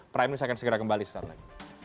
prime news akan segera kembali setelah ini